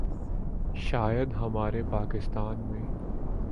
شاید ہمارے پاکستان میں